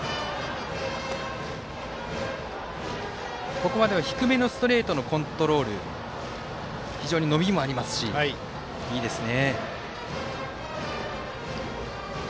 ここまで低めのストレートのコントロール非常に伸びもありますしいいですね。